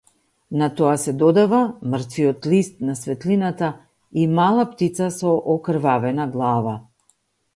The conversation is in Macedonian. На тоа се додава мртвиот лист на светлината и мала птица со окрвавена глава.